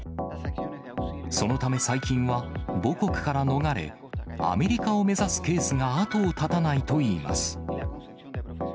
そのため最近は、母国から逃れ、アメリカを目指すケースが後を絶たないといいます。